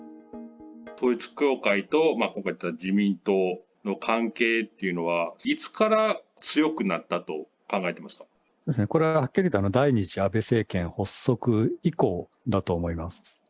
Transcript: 統一教会と、今回いった自民党の関係というのは、いつから強くなったと考えてこれははっきりと第２次安倍政権発足以降だと思います。